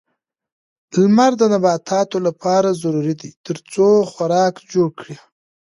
لمر د نباتاتو لپاره ضروري ده ترڅو خوراک جوړ کړي.